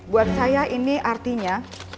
buat saya ini artinya